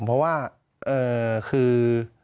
เพราะว่าคือ